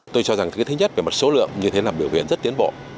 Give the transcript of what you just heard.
tôi cho rằng cái thứ nhất về mặt số lượng như thế là biểu hiện rất tiến bộ